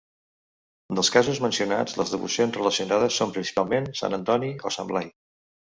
Dels casos mencionats les devocions relacionades són principalment sant Antoni o sant Blai.